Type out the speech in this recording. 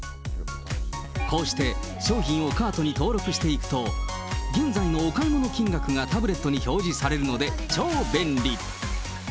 こうして商品をカートに登録していくと、現在のお買い物金額がタブレットに表示されるので、超便利。